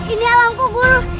ini alamku guru